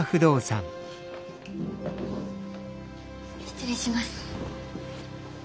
失礼します。